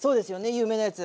有名なやつ。